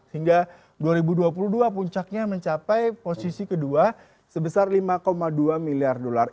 hingga dua ribu dua puluh dua puncaknya mencapai posisi kedua sebesar lima dua miliar dolar